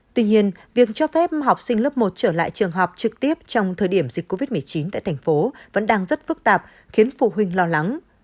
tuy nhiên việc cho phép học sinh lớp một trở lại trường học trực tiếp trong thời điểm dịch covid một mươi chín tại thành phố vẫn đang rất phức tạp khiến phụ huynh lo lắng